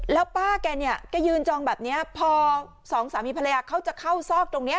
แล้วป้าแกเนี่ยแกยืนจองแบบนี้พอสองสามีภรรยาเขาจะเข้าซอกตรงนี้